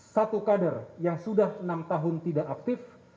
satu kader yang sudah enam tahun tidak aktif